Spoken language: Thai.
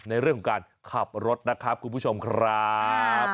ในเรื่องของการขับรถนะครับคุณผู้ชมครับ